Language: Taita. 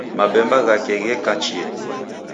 Mabemba ghake gheka chienyi